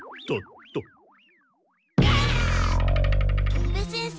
戸部先生